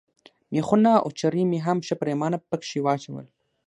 مېخونه او چرې مې هم ښه پرېمانه پکښې واچول.